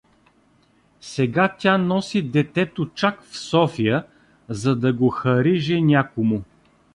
Сега тя носи детето чак в София, за да го хариже някому.